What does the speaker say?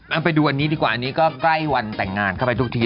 เอาไปดูอันนี้ดีกว่าอันนี้ก็ใกล้วันแต่งงานเข้าไปทุกที